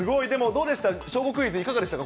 どうでした？